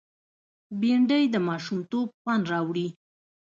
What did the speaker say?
بېنډۍ د ماشومتوب خوند راوړي